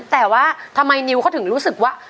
แต่ว่าทำไมนิวเขาถึงรู้สึกว่า